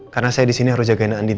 karena saya di sini harus jagain andin